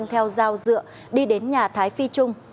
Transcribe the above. nguyễn đoàn tú khoa theo dao dựa đi đến nhà thái phi trung